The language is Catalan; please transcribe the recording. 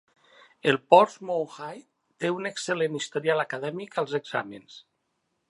El Portsmouth High té un excel·lent historial acadèmic als exàmens.